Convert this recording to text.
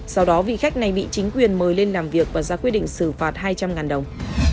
sau đó vị khách này bị chính quyền mời lên làm việc và ra quyết định xử phạt hai trăm linh đồng